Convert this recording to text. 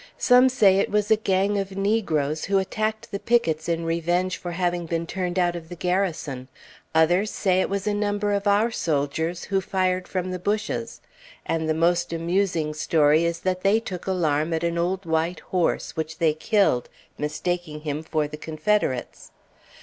Some say it was a gang of negroes who attacked the pickets in revenge for having been turned out of the Garrison; others say it was a number of our soldiers who fired from the bushes; and the most amusing story is that they took alarm at an old white horse, which they killed, mistaking him for the Confederates.